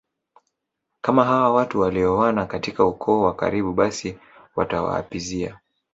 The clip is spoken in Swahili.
kama hawa watu walioana katika ukoo wa karibu basi watawaapizia